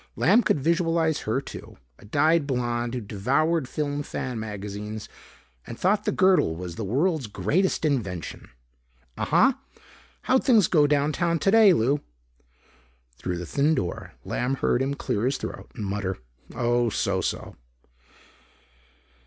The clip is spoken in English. Lamb could visualize her too, a dyed blonde who devoured film fan magazines and thought the girdle was the world's greatest invention. "Uh huh. How'd things go downtown today, Lou?" Through the thin door, Lamb heard him clear his throat, mutter, "Oh, so so."